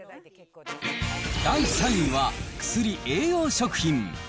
第３位は、薬・栄養食品。